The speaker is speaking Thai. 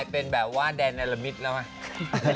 เพลงตัวห้าซุปเปอร์สตาร์ตแฮปบีเบอร์เบอร์เดยคุณอ้าน